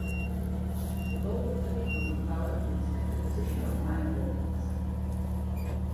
The Board of Trade was empowered to inspect the position of mine workings.